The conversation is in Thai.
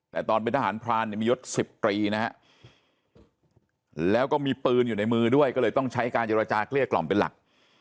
แต่ตอนเป็นทหารพรานเนี่ยมียศ๑๐ตรีนะฮะแล้วก็มีปืนอยู่ในมือด้วยก็เลยต้องใช้การเจรจาเกลี้ยกล่อมเป็นหลัก